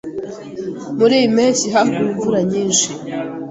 Muriyi mpeshyi haguye imvura nyinshi.